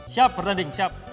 siap bertanding siap